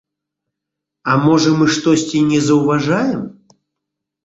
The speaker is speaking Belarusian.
А можа мы штосьці не заўважаем?